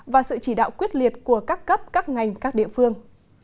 và sự chỉ đạo quyết liệt của các cấp các ngành các địa phương